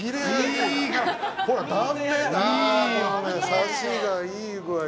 サシがいい具合。